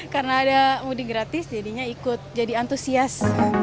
karena ada mudik gratis jadinya ikut jadi antusias